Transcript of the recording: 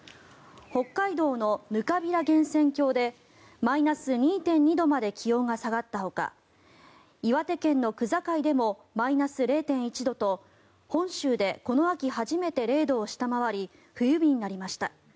北海道のぬかびら源泉郷でマイナス２．２度まで気温が下がったほか岩手県の区界でもマイナス０．１度と本州でこの秋初めて０度を下回り冬日になりました。